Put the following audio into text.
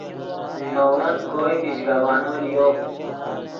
نے ون کوئے میژگوانو لیو